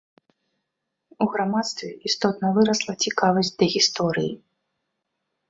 У грамадстве істотна вырасла цікавасць да гісторыі.